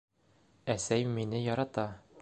Әсәй мине ярата.